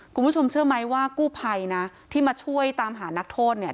คุณผู้ชมเชื่อไหมว่ากู้ภัยนะที่มาช่วยตามหานักโทษเนี่ย